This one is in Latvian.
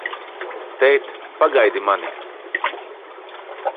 Tēt, pagaidi mani!